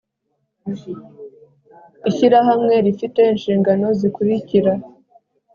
Ishyirahamwe rifite inshingano zikurikira